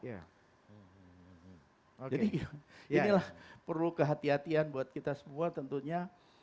jadi inilah perlu kehati hatian buat kita semua tentunya